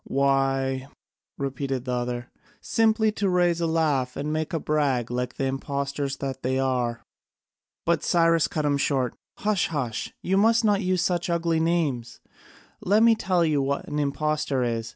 "Why," repeated the other, "simply to raise a laugh, and make a brag like the impostors that they are." But Cyrus cut him short, "Hush! hush! You must not use such ugly names. Let me tell you what an impostor is.